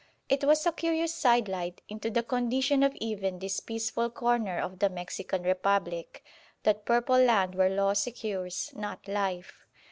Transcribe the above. It was a curious sidelight into the condition of even this peaceful corner of the Mexican Republic "that purple land where law secures not life."